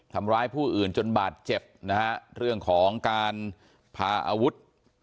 ทำร้ายผู้อื่นจนบาดเจ็บนะฮะเรื่องของการพาอาวุธ